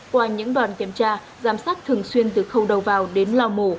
qua những đoàn kiểm tra giám sát thường xuyên từ khâu đầu vào đến lao mổ